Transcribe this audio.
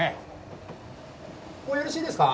もうよろしいですか？